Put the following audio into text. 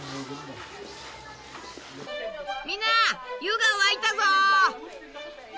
みんな湯が沸いたぞ！